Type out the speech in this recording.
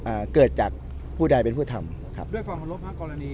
อ่าเกิดจากผู้ใดเป็นผู้ทำครับด้วยฟังของรถภาคกรณี